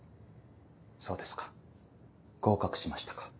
そうですか合格しましたか。